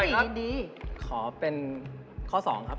ได้ครับขอเป็นข้อสองครับผม